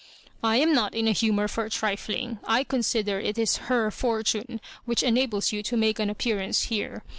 "I am not in a humour for trifiing. I consider it is her fortune which enables you to make an appearance here.